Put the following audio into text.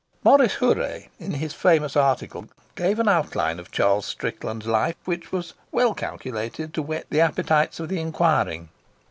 Maurice Huret in his famous article gave an outline of Charles Strickland's life which was well calculated to whet the appetites of the inquiring.